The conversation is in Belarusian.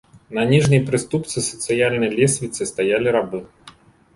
На ніжняй прыступцы сацыяльнай лесвіцы стаялі рабы.